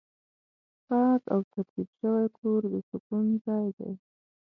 پاک او ترتیب شوی کور د سکون ځای دی.